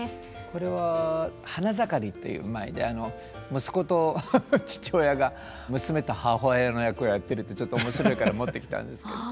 これは「花ざかり」という舞で息子と父親が娘と母親の役をやってるってちょっと面白いから持ってきたんですけど。